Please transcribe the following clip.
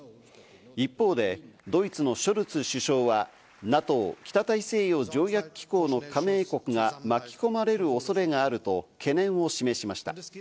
一方でドイツのショルツ首相はＮＡＴＯ＝北大西洋条約機構の加盟国が巻き込まれる恐れがあると懸念を示しました。